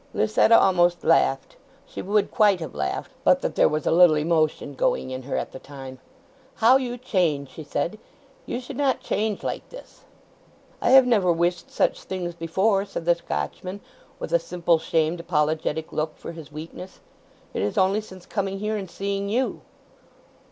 Lucetta almost laughed—she would quite have laughed—but that there was a little emotion going in her at the time. "How you change!" she said. "You should not change like this. "I have never wished such things before," said the Scotchman, with a simple, shamed, apologetic look for his weakness. "It is only since coming here and seeing you!"